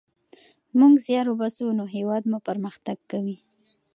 که موږ زیار وباسو نو هیواد مو پرمختګ کوي.